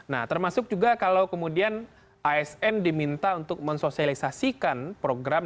nah termasuk juga kalau kemudian asn diminta untuk mensosialisasikan program